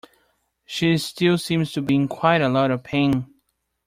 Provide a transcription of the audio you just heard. She still seems to be in quite a lot of pain.